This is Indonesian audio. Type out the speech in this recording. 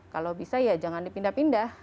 kalau bisa ya jangan dipindah pindah